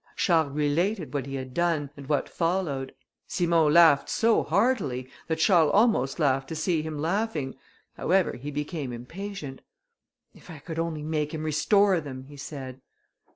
Charles related what he had done, and what followed; Simon laughed so heartily, that Charles almost laughed to see him laughing: however, he became impatient. "If I could only make him restore them," he said.